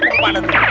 kamu mau benefits